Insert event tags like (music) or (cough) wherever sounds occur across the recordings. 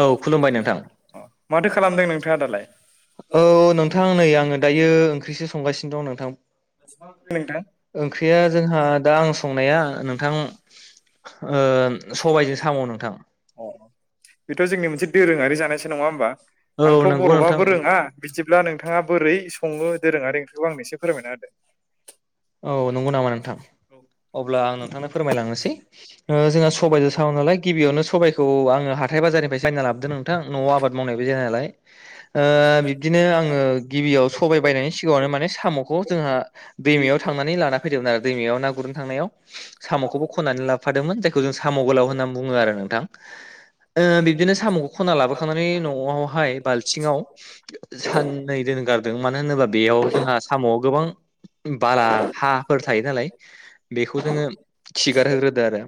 औ खुलुमबाय नोंथां अ माथो खालामदों नोंथाङा दालाय औ नोंथां नै आङो दायो ओंख्रिसो संगासि नो दं नोंथां नोंथां ओंख्रिया जोंहा दा आं संनाया नोंथां ओ सबायजों साम' नोंथां अ बेथ' जोंनि मोनसे दोरोङारि जानायसो नङा होमबा औ आंथ' नंगौ नोंथां बर'बाबो रोङा बिदिब्ला नोंथाङा बोरै सङो दोरोङा आरि ओंख्रिखौ आंनो एसे फोरमायना होदो। औ नंगौ नामा नोंथां अब्ला आं नोंथांनो फोरमायलांनोसै ओ जोंहा सबायजों साम' नालाय गिबियावनो सबायखौ आङो हाथाय बाजारनिफ्राय बायना लाबोदों नों थां न'आव आबाद मावनायबो जाया नालाय ओ बिब्दिनो आङो गिबियाव सबाय बायनायनि सिगाङावनो माने साम'खौ जोंहा दैमायाव थांनानै लाना फैदोंमोन आरो दैमायाव ना गुरनो थांनायाव साम'खौबो खननानै लाफादोंमोन जायखौ जों साम' गोलाव होननानै बुङो आरो नोंथां। (inaudible) ओ बिब्दिनो साम'खौ खना लाबोखांनानै न'आवहाय बालथिङाव साननै दोन नगारदों मानो होनोबा बेयाव जोंहा साम'आव गोबां (inaudible) बाला हाफोर थायो नालाय बेखौ जोङो खिगारहोग्रोदो आरो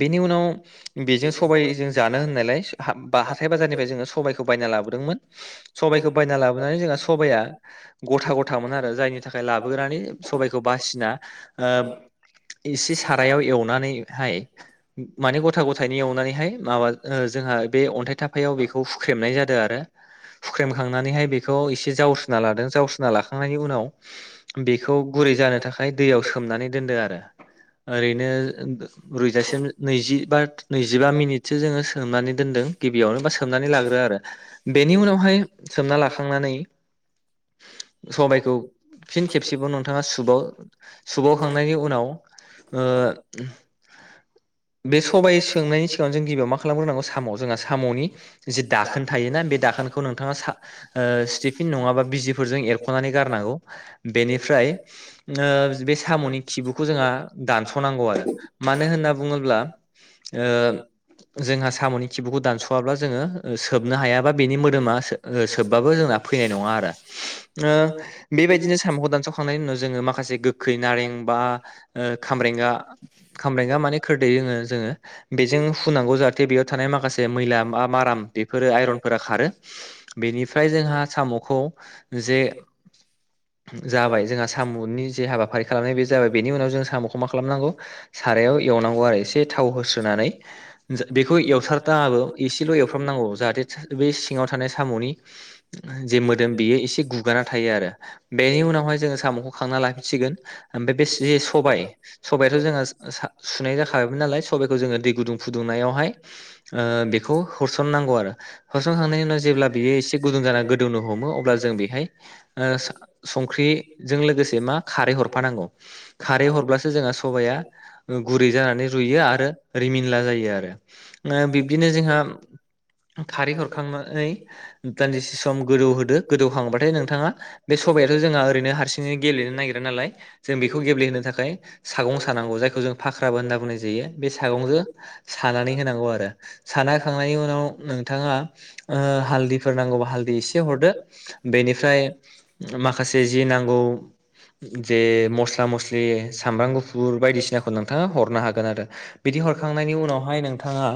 बेनि उनाव बेजों सबायजों जानो होननायलाय हा बा हाथाय बाजारनिफ्राय जोङो सबायखौ बायना लाबोदोंमोन सबायखौ बायना लाबोनानै जोंहा सबाया गथा गथामोन आरो जायनि थाखाय लाबोग्रानि सबायखौ बासिना ओ इसे सारायाव एवनानैहाय माने गथा गथायैनो एवनानैहाय माबा ओ जोंहा बे अन्थाइ थाफायाव बेखौ फुख्रेमनाय जादों आरो हुख्रेमखांनानैहाय बेखौ एसे जावस्रिना लादों जावस्रिना लाखांनायनि उनाव बेखौ गुरै जानो थाखाय दैयाव सोमनानै दोनदो आरो ओरैनो रुइजासिम नैजिबा नैजिबा मिनिटसो जोङो सोमनानै दोनदों। गिबियावनो बा सोमनानै लाग्रो आरो बेनि उनावहाय सोमना लाखांनानै सबायखौ फिन खेबसेबाव नोंथाङा सुबाव सुबावखांनायनि उनाव ओ बे सबायाइ संनायनि सिगांनो जों गिबियाव मा खालामग्रोनांगौ साम' जोंहा साम'नि जि दाखोन थायोना बे दाखोनखौ नोंथाङा सा ओ स्टिफिन नङाबा बिजिफोरजों एरख'नानै गारनांगौ बेनिफ्राय बे ओ साम'नि खिबुखौ जोंहा दानस'नांगौ आरो मानो होन नना बुङोब्ला ओ जोंहा साम'नि खिबुखौ दानस'वाब्ला जोङो सोबनो हायाबा बेनि मोदोमा ओ सो-सोबबाबो जोंना फैनाय नङा आरो ओ बेबादिनो साम'खौ दानस'खांनायनि उनाव जोङो माखासे गोखै नारें बा ओ खामब्रेंगा खामब्रेंआ माने खोरदै लोङो जोङो बेजों फुनांगौ जाहाथे बेयाव थानाय माखासे मैला बा माराम बेफोरो आइनफोरा खारो बेनिफ्राय जोंहा साम'खौ जे (inaudible) जाबाय जोंहा साम'नि जे हाबाफारि खालामनाय बे जाबाय बेनि उनाव जों साम'खौ मा खालामनांगौ सारायाव एवनांगौ आरो एसे थाव होस्रोनानै बेखौ एवथाराबो एसेल' एवफ्रामनांगौ जाहा थे बे सिङाव थानाय साम'नि जे मोदोम बेयो एसे गुगाना थायो आरो बेनि उनावहाय जोङो साम'खौ खांना लाफिनसिगोन ओमफ्राय बे जे सबाय सबायथ' जोंहा सुनाय जाखाबायमोन नालाय सबाइखौ जोङो दै गुदुं फुदुंनायावहाय बेखौ हरसननांगौ आरो होरस्रांखांनायनि उनाव जेब्ला बियो एसे गुदुं जानानै गोदौनो हमो अब्ला जों बेहाय ओ संख्रिजों लोगोसे मा खारै हरफानांगौ खारै हरब्लासो जोंहा सबाया ओ गुरै जानानै रुयो आरो रिमिनला जायो आरो ओ बिब्दिनो जोंहा खारै हरखांनानै दान्दिसे सम गोदौहोदो गोदौहांबाथाय नोंथाङा बे सम बाइाथ' जोंहा ओरैनो हारसिङै गेब्लेनो नागिरा नालाय जों बेखौ गेब्लेहोनो थाखाय सागं सानांगौ जायखौ जों फाखाबो होनना बुंनाय जायो बे सागंजों सानानै होनांगौ आरो साना होखांनायनि उनाव नोंथाङा हालदैफोर नांगौबा हालदै एसे हरदो बेनिफ्राय माखासे जि नांगौ जे मस्ला मस्लि सामब्राम गुफुर बायदिसिनाखौ नोंथाङा हरनो हागोन आरो बिदि हरखांनायनि उनावहाय नोंथाङा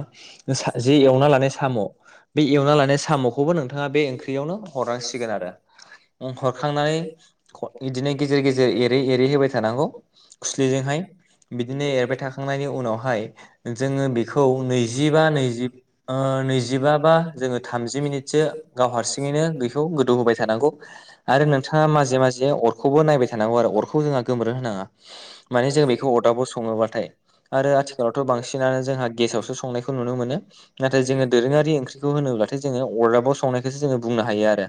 जे एवना लानाय साम' बे एवना लानाय साम'खौबो नोंथाङा बे ओंख्रियावनो हरनांसिगोन आरो हरखांनानै बिदिनो गेजेर गेजेर एरै एरै होबाय थानांगौ खुस्लिजोंहाय बिदिनो एरबाय थाखांनायनि उनावहाय जोङो बेखौ नैजिबा नैजि नैजिबा बा जोङो थामजि मिनिटसो गाव हारसिङैनो गखौ गोदौ होबाय थानांगौ आरो नोंथाङा माजे माजे अरखौबो नायबाय थानांगौ आरो अरखौ जोंहा गोमोरो होनाङा माने जों बेखौ अटाबाव सङोबाथाय आरो आथिखालावथ' बांसिनानो जोंहा गेसावसो संनायखौ नुनो मोनो नाथाय जोङो दोरोङारि ओंख्रिखौ होनो (unintelligible) अदाबाव संनायो जनो हायो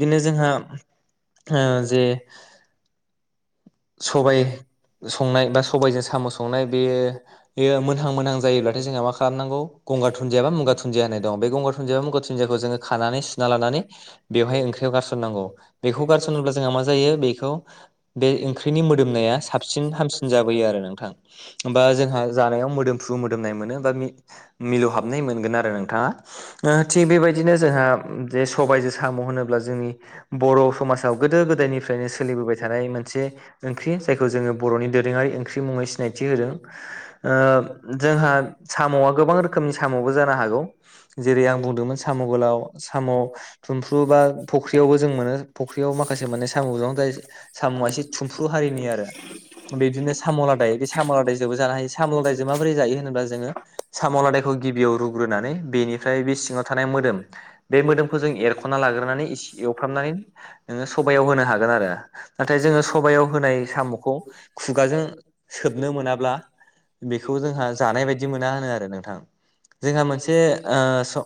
बिदिनो जोंहा जे सबाय संनाय बा सबायजों साम' संनाय बेयो बेयो मोनहां मोनहां जायोब्लाथाय जोंहा मा खालामनांगौ गंगार थुनन्दिया बा मुगानन्दिया होननाय दं बें गंगार धुनजिआबा मुगा दुनन्दियाखौ जोङो खानानै सुना लानानै बेवह ओख्रियाव गारसन नांगौ बेखौ गारसननोब्ला जोंहा मा जायो बेखौ बे ओंख्रि नि मोदोमनाया साबसिन हामसिन जाबोयो आरो नोंथां होमबा जोंहा जानायाव मोदोमफ्रु मोदोमनाय मोनो बा मिलौहाबनाय मोनगोन आरो नोंथाङा थिग बेबायदिनो जोंहा जे सब बायजो साम' होनोब्ला जोंनि बर' समाजाव गोदो गोदायनिफ्रायनो सोलिबोबाय थानाय मोनसे ओंख्रि जायखौ जोङो बर'नि दोरोङारि ओंख्रि मुङै सिनायथि होदों जोंहा साम'आ गोबां रोखोमनि साम'बो जानो हागौ जेरै आं बुंदोंमोन साम' गोलाव, साम' थुमफ्रु बा फुख्रियावबो जों मोनो फुख्रियाव माखासे माने साम' जों, जाय साम'आ एसे थुमफ्रु हारिनि आरो। बिदिनो साम'लादाय बे साम'लादायजोंबो जानो हायो। साम'लादायजों माबोरै जायो होनोबा जोङो साम'लादायखौ गिबियाव रुग्रोनानै बेनिफ्राय बे सिङाव थानाय मोदोम, बे मोदोमखौ जों एरख'ना लाग्रोनानै एवफ्रामनानै नोङो सबायाव होनो हागोन आरो नाथाय जोङो सबायाव होनाय साम'खौ खुगाजों सोबनो मोनाब्ला बेखौ जोंहा जानाय बायदि मोना होनो आरो नोंथां जोंहा मोनसे ओ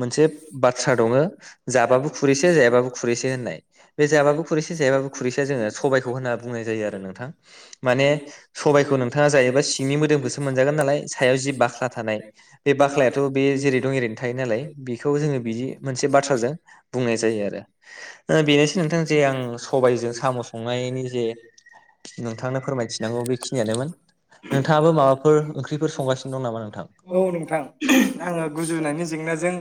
मोनसे बाथ्रा दङ जाबाबो खुरैसे जायाबो खुरैसे होननाय, बे जाबाबो खुरैसे जायाबो खुरैसेया जोङो सबाय खौ होनना बुंनाय जायो आरो नोंथां। माने सबायखौ नोंथाङा जायोबा सिंनि मोदोमखौसो मोनजागोन नालाय सायाव जि बाख्ला थानाय बे बाख्लायाथ' बे जेरै दं एरैनो थायो नालाय बेखौ जोङो बिदि मोनसे बाथ्राजों बुंनाय जायो आरो बेनोसै नोंथां जे आं सबायजों साम' संनाय नायनि जे नोंथांनो फोरमायथिनांगौ बेखिनियानोमोन नोंथाङाबो माबाफोर ओंख्रिफोर संगासिनो दं नामा नोंथां? औ नोंथां आङो गुजुनायनि जेंनाजों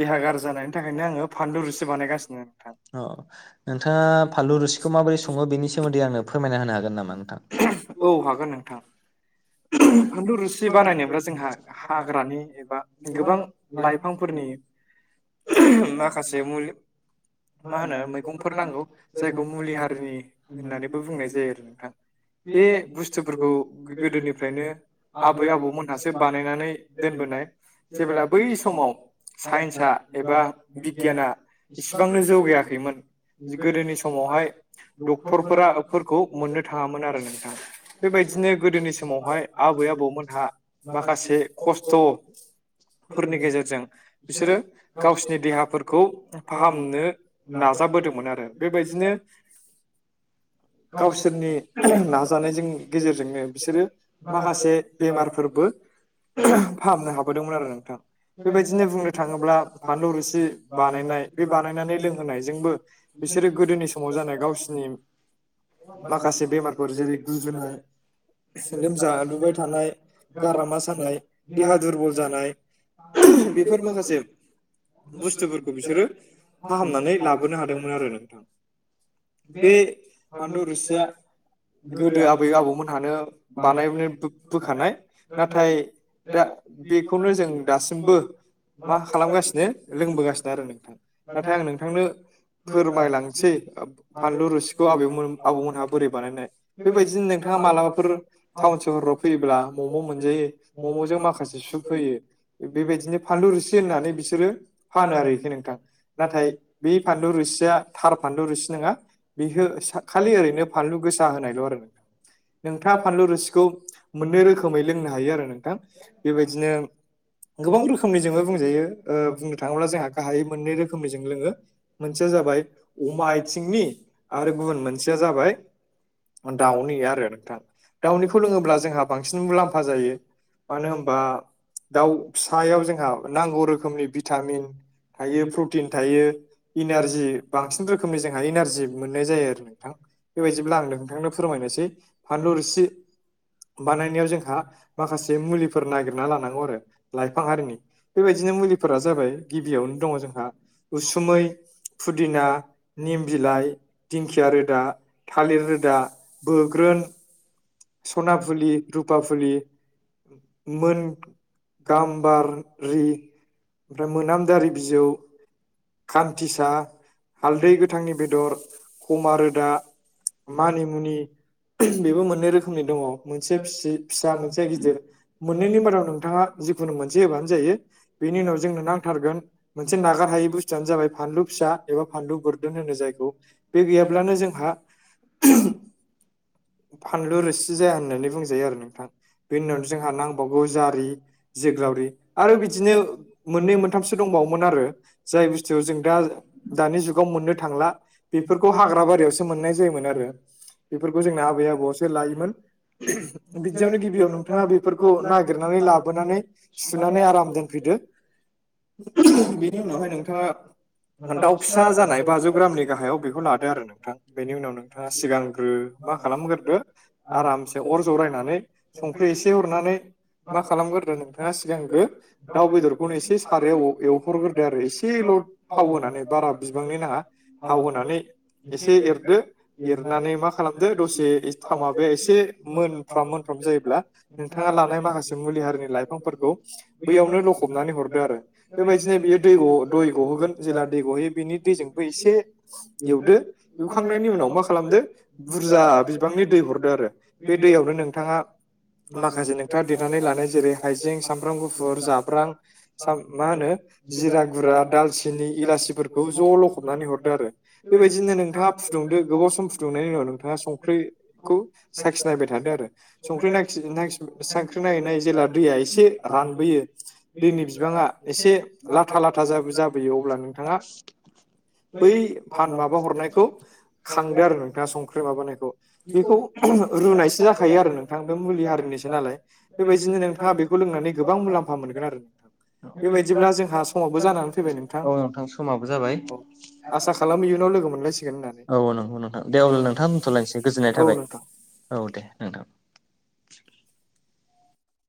देहा गाज्रि जानायनि थाखायनो आङो फानलु रोसि बानायगासिनो नोंथां अ नोंथाङा फानलु रोसिखौ माबोरै सङो बेनि सोमोन्दै आंनो फोरमायना होनो हागोन नामा? नोंथां? औ हागोन नोंथां। फानलु रोसि बानायनोब्ला जोंहा हाग्रानि एबा गोबां लाइफांफोरनि माखासे मुलि मा होनो मैगंफोर नांगौ जायखौ मुलि हारिनि होननानैबो बुंनाय जायो आरो नोंथां बे बुस्थुफोरखौ गोदोनि निफ्रायनो आबै आबौमोनहासो बानायनानै दोनबोनाय जेब्ला बै समाव साइन्स एबा बिगियाना इस बांनो जौगायाखैमोन गोदोनि समावहाय डक्टरफोरा फोरखौ मोननो थाङामोन आरो नोंथां बेबायदि बिदिनो गोदोनि समावहाय आबै आबौमोनहा माखासे खस्थ' फोरनि गेजेरजों बिसोरो गावसिनि देहाफोरखौ फाहामनो नाजाबोदोंमोन आरो। बेबायदिनो गावसोरनि नाजानायजों गेजेरजोंनो बिसोरो माखासे बेमारफोरबो फाहामनो हाबोदोंमोन आरो नोंथां। बेबायदिनो बुंनो थाङोब्ला फानलु रोसि बानायनाय बे बानायनानै लोंहोनायजोंबो बिसोरो गोदोनि समाव जानाय गावसिनि माखासे बेमारफोर जेरै गुजुनाय लोमजा लुबाय थानाय, गारामा सानाय, देहा दुरबल जानाय, बेफोर माखासे बुस्थुफोरखौ बिसोरो फाहामनानै लाबोनो हादोंमोन आरो नोंथां। बे फानलु रोसिया गोदो आबै आबौमोनहानो बानायबनानै बोखानाय नाथाय दा बेखौनो जों दासिमबो मा खालामगासिनो लोंबोगासिनो आरो नोंथां। नाथाय आं नोंथांनो फोरमायलांसै फानलु रोसिखौ आबैमोन आबौमोनहा बोरै बानायनाय, बेबायदिनो नोंथाङा मालाबाफोर टाउन सहराव फैयोब्ला म'म' मोनजायो, मम'जों माखासे सुप होयो, बेबायदिनो फानलु रोसि होननानै बिसोरो फानो आरो एखो नोंथां। नाथाय बेै फानलु रोसिया थार फानलु रोसि बिहो खालि ओरैनो फानलु गोसा होनायल' आरो। नोंथां नोंथाङा फानलु रोसि मोननै रोखोमै लोंनो हायो आरो नोंथां। बेबायदिनो गोबां रोखोमनिजोंनो बुंजायो बुंनो थाङोब्ला जोंहा गाहायै मोननै रोखोमनिजों लोङो। मोनसे जाबाय अमा आय आरो गुबुन मोनसेया जाबाय, दाउनि आरो नोंथां, दाउनि बेखौ लोङोब्ला जोंहा बांसिन मुलाम्फा जायो, मानो होनबा दाउ फिस्लायाव ज नांगौ रोखोमनि भिटामिन थायो प्रटिन थायो इनारजि बांसिन रोखोमनि जोंहाय एनारजि मोननाय जायो आरो नोंथां बेबायदिब्ला आं नोंथांनो फोरमायनोसै फानलुरसि बानायनायाव जोंहा माखासे मुलिफोर नागिरना लानांगौ आरो लाइफां आरिनि बेबाय बिदिनो मुलिफोरा जाबाय गिबियावनो दङ जोंहा उसुमै फुदिना निम बिलाइ दिंखिया रोदा थालिर रोदा बोग्रोन सना फुलि रुपा फुलि मोन गाम्बारारि ओमफ्राय मोनामदारि बिजौ खान्थिसा हालदै गोथांनि बेदर खमा रोदा मानि मुनि बेबो मोनै रोखोमनि दङ मोनसे फिसि फिसा मोनसे गिदिर मोननैनि मादाव नोंथाङा जिखुनु मोनसे होबा जायो बेनि उनाव जोंनो नांथारोन मोनसे नागारै बुुआनो जाबाय फानलु फिसा एबा फानलु बोरदोन होनो जायखौ बे गैयाब्लानो जोंहा फानलु रोसि जाया होननानै बुंजायो आरो नोंथां बेनि उनावनो जोंहा नांबावगौ जारि जोग्लावरि आरो बिदिनो मोननै मोनथामसो दं आरो जाय बुस्थु जों दा दानि जुगाव मोननो थांला बेफोरखौ हाग्रा बारियाव सो मोननाय जायोमोन आरो बेफोरखौ जोंना आबै आबौआवसो लायोमोन बिदियावनो गिबियाव नोंथाङा बेफोरखौ नागिरनानै लाबोनानै सुनानै आराम दोनफैदो दो बेनि उनावहाय नोंथाङा दाउ फिसा जानाय बाजौ ग्रामनि गाहायाव बेखौ लादो आरो नोंथां बेनि उनाव नोंथाङा सिगांग्रो मा खालामग्रोदो आरामसे अर जरायनानै संख्रि एसे हरनानै मा खालामग्रोदो नोंथाङा सिगांग्रो दाउ बेदरखौनो एसे सारायाव एवहरग्रोदो आरो एसेल' थाव होनानै बारा बिबांनि नाङा थाव होनानै एसे एरदो एरनानै मा खाला दसे एसे मोनफ्राम मोनफ्राम जायोब्ला नोंथांङा लानाय माखासे मुलिहारिनि लाय फांफोरखौ बैयावनो लखबनानै हरदो आरो बेबायदिनो बियो दै दै गहोगोन जे दै गहोयो बिनि दैजोंबो एसे एवदो एवखांनायनि उनाव मा खालामदो बुरजा बिबांनि दै हरदो आरो बे दैयावनो नोंथाङा माखासे नोंथाङा देरनानै लानाय जेरै हाइजें सामब्राम गुफुर, जाब्रां, साम मा होनो जिरा गुरा, दालचिनि, इलासिफोरखौ ज' लख'बनानै हरदो आरो बेबायदिनो नोंथाङा फुदुंदो गोबाव सम फुदुंनायनि उनाव नोंथाङा संख्रिखौ साखिनायबाय थादो आरो संख्रि नाखि नाखि साखि नायै नायै जेला दैया एसे रानबोयो दैनि बिबांङा एसे लाथा लाथा जाबोयो अब्ला अनला नोंथाङा (unintelligible) बै फान माबा हरनायखौ खांदो आरो नोंथाङा । बे माबा नायखौ बेखौ रुनायसो जाखायो आरो नोंथां मुलि हारिनिसो नालाय बेबायदि दिनो नोंथाङा बेखौ लोंनानै गोबां मुलाम्फा मोनगोन आरो बेबायदिब्ला जोंहा समावबो जानानै फैबाय (unintelligible) औ नोंथां समाबो जाबाय औ आसा खालामो इयुनाव लोगो मोनलायसिगोन होननानै औ नंगौ नोंथां । दे अब्ला नोंथां बुंथ'लायनोसै गोजोननाय औ थाबाय नोंथां औ दे नोंथां ।